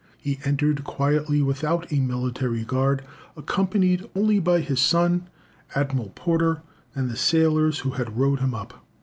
He entered quietly without a military guard, accompanied only by his son, Admiral Porter, and the sailors who had rowed him up.